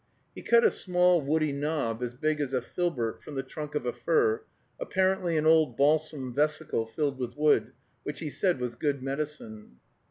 He cut a small, woody knob, as big as a filbert, from the trunk of a fir, apparently an old balsam vesicle filled with wood, which he said was good medicine.